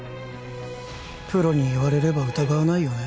プロに言われれば疑わないよね